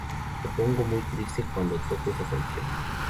Me pongo muy triste cuando toco esa canción.